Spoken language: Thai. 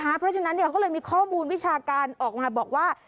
เพราะฉะนั้นก็เลยมีข้อมูลวิชาการออกมาบอกว่า